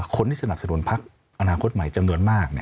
คนที่สนับสนุนพักอนาคตใหม่จำนวนมาก